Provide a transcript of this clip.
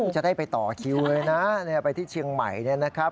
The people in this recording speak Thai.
จะได้ไปต่อคิวเลยนะไปที่เชียงใหม่เนี่ยนะครับ